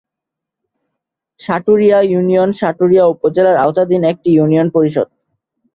Saturia union Saturia উপজেলার আওতাধীন একটি ইউনিয়ন পরিষদ।